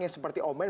yang seperti omen